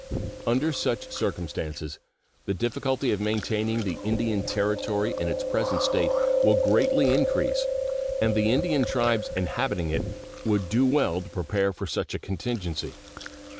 Under such circumstances the difficulty of maintaining the Indian Territory in its present state will greatly increase, and the Indian tribes inhabiting it would do well to prepare for such a contingency.